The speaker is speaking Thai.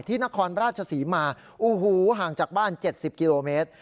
ที่นครราชศรีมาห่างจากบ้าน๗๐กิโลเมตร